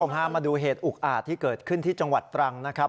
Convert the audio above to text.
คุณผู้ชมหามาดูเหตุอุงอาจที่เกิดขึ้นที่จังหวัดตรังก์นะครับ